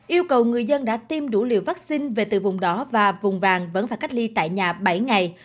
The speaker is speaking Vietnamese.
yêu cầu người dân đã tiêm đủ liều vaccine về từ vùng đỏ và vùng vàng vẫn phải cách ly tại nhà bảy ngày